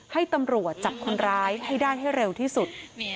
ให้ตำรวจจับคนร้ายให้ได้ให้เร็วที่สุด